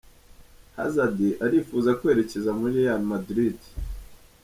Hazard arifuza kwerekeza muri Real Madrid.